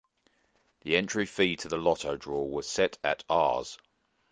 The entry fee to the Lotto draw was set at Rs.